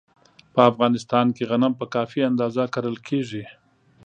په افغانستان کې غنم په کافي اندازه کرل کېږي.